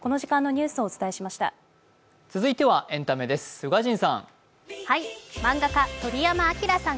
続いてはエンタメです、宇賀神さん。